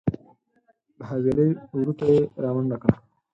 د حویلۍ وره ته یې رامنډه کړه .